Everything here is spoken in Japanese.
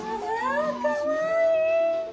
あかわいい！